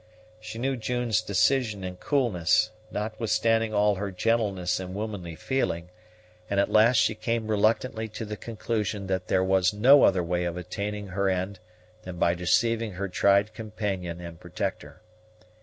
She knew June's decision and coolness, notwithstanding all her gentleness and womanly feeling; and at last she came reluctantly to the conclusion that there was no other way of attaining her end than by deceiving her tried companion and protector.